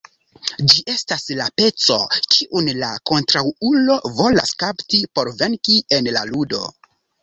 Ĝi estas la peco, kiun la kontraŭulo volas kapti por venki en la ludo.